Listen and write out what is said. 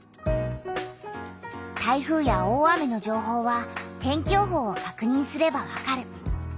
台風や大雨の情報は天気予報をかくにんすればわかる。